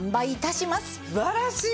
素晴らしい！